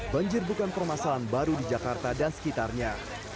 banjir bukan permasalahan baru di jakarta dan sekitarnya